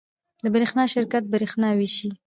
د برښنا شرکت بریښنا ویشي